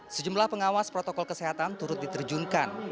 sejumlah pengawas protokol kesehatan turut diterjunkan